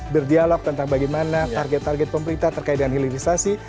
berdialog tentang bagaimana target target pemerintah terkait dengan hilirisasi